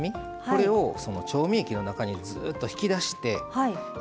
これを調味液の中にずっと引き出して。